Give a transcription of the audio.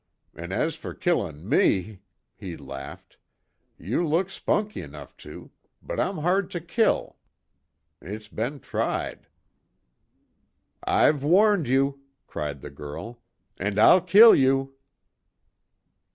An' as fer killin' me," he laughed, "You look spunky 'nough to but I'm hard to kill it's be'n tried." "I've warned you!" cried the girl, "And I'll kill you!"